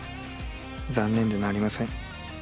［残念でなりません］